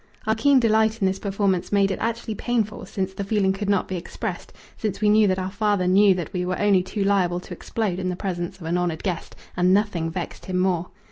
Our keen delight in this performance made it actually painful since the feeling could not be expressed since we knew that our father knew that we were only too liable to explode in the presence of an honoured guest, and nothing vexed him more.